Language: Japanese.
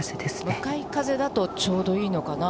向かい風だとちょうどいいのかな？